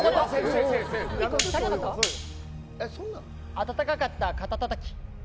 温かかった肩たたき。